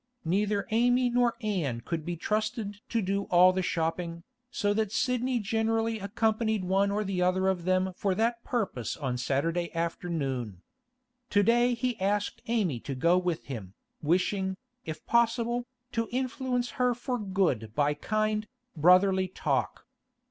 Neither Amy nor Anne could be trusted to do all the shopping, so that Sidney generally accompanied one or other of them for that purpose on Saturday afternoon. To day he asked Amy to go with him, wishing, if possible, to influence her for good by kind, brotherly talk.